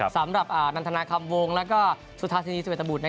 สำหรับนันทนาคัมวงศ์และสุธาษณีย์สุเวทบุตร